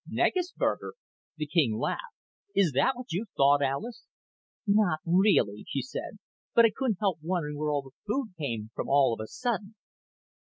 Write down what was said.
"Negusburger?" The king laughed. "Is that what you thought, Alis?" "Not really," she said. "But I couldn't help wondering where all the food came from all of a sudden."